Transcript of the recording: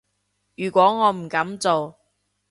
如果我唔噉做